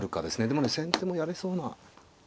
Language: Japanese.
でもね先手もやれそうな。